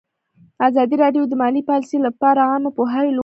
ازادي راډیو د مالي پالیسي لپاره عامه پوهاوي لوړ کړی.